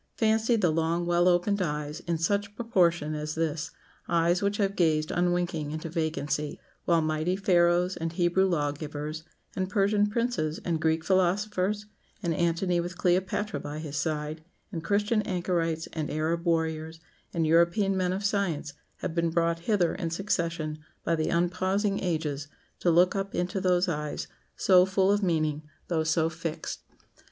Fancy the long well opened eyes, in such proportion as this eyes which have gazed unwinking into vacancy, while mighty Pharaohs, and Hebrew law givers, and Persian princes, and Greek philosophers, and Antony with Cleopatra by his side, and Christian anchorites, and Arab warriors, and European men of science, have been brought hither in succession by the unpausing ages to look up into those eyes so full of meaning, though so fixed!"